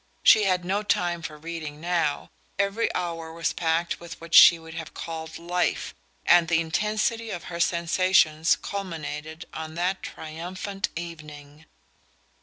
She had no time for reading now: every hour was packed with what she would have called life, and the intensity of her sensations culminated on that triumphant evening.